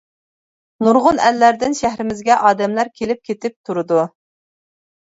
نۇرغۇن ئەللەردىن شەھىرىمىزگە ئادەملەر كېلىپ كېتىپ تۇرىدۇ.